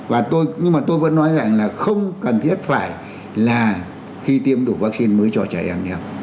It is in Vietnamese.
và tôi nhưng mà tôi vẫn nói rằng là không cần thiết phải là khi tiêm đủ vắc xin mới cho trẻ em đi học